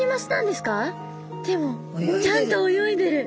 でもちゃんと泳いでる！